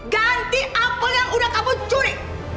ganti apel yang udah kamu curi